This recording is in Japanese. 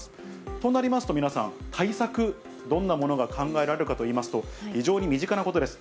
となりますと皆さん、対策、どんなものが考えられるかといいますと、非常に身近なことです。